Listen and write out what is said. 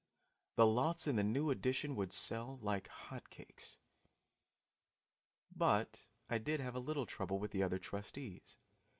The lots in the new addition would sell like hot cakes. But I did have a little trouble with the other trustees.